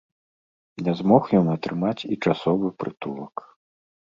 Не змог ён атрымаць і часовы прытулак.